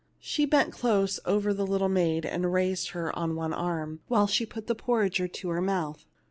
She bent close over the little maid, and raised her on one arm, while she put the porringer to her mouth.